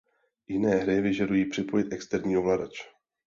Jiné hry vyžadují připojit externí ovladač.